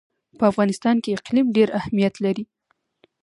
په افغانستان کې اقلیم ډېر اهمیت لري.